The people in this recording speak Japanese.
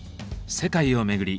世界を巡り